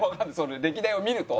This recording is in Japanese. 歴代を見ると。